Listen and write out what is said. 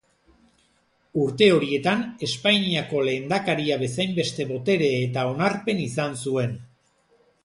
Urte horietan Espainiako lehendakaria bezainbeste botere eta onarpen izan zuen.